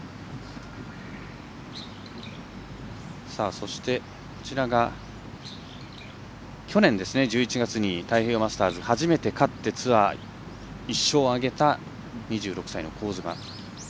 そして、こちらが去年１１月に太平洋マスターズ初めて勝ってツアー１勝を挙げた２６歳の香妻。